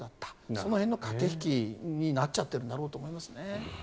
その辺の駆け引きになっちゃっているんだろうと思いますね。